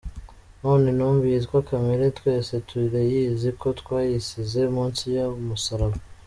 None intumbi yitwa kamere twese turayizi ko twayisize munsi y’umusaraba.